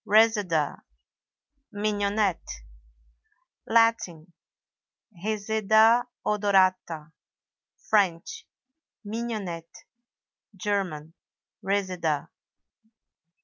RESEDA (MIGNONETTE). Latin—Reseda odorata; French—Mignonette; German—Reseda.